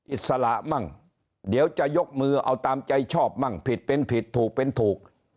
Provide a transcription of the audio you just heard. อิสระมั่งเดี๋ยวจะยกมือเอาตามใจชอบมั่งผิดเป็นผิดถูกเป็นถูก